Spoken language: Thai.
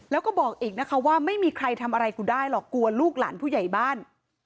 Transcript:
แล้วก็บอกอีกนะคะว่าไม่มีใครทำอะไรกูได้หรอกกลัวลูกหลานผู้ใหญ่บ้าน